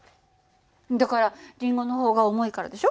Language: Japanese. だからリンゴの方が重いからでしょ？